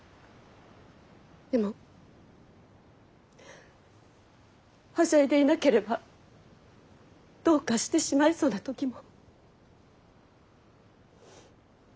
でもはしゃいでいなければどうかしてしまいそうな時も。